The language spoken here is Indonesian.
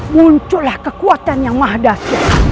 munculah kekuatan yang mahadas